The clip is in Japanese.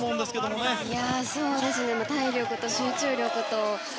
もう体力と集中力と。